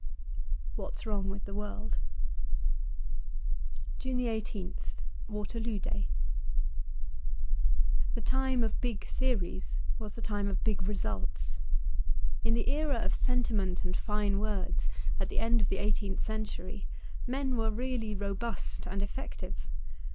' What's Wrong with the World.' 186 JUNE 1 8th WATERLOO DAY THE time of big theories was the time of big results. In the era of sentiment and fine words, at the end of the eighteenth century, men were really robust and effective.